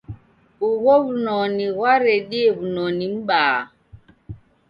Ugho w'unoni ghwaredie w'unoni m'baa.